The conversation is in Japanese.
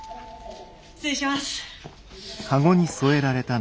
失礼します。